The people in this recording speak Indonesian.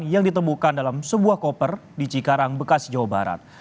yang ditemukan dalam sebuah koper di cikarang bekasi jawa barat